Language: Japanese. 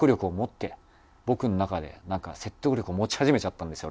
僕の中で説得力を持ち始めちゃったんですよ